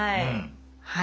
はい。